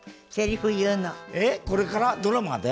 えっこれからドラマで？